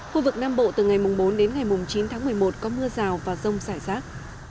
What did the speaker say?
khu vực nam bộ từ ngày mùng bốn đến ngày mùng chín tháng một mươi một có mưa rào và rông xảy rác